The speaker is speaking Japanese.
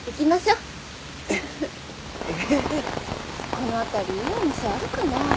この辺りいいお店あるかな。